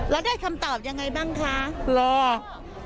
แล้วได้คำตอบยังไงบ้างคะรอ